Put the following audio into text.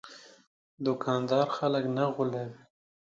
دوکاندار خلک نه غولوي.